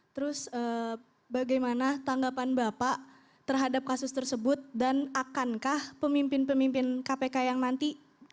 terus bagaimana tanggapan bapak terhadap kasus tersebut dan akankah pemimpin pemimpin kpk yang nanti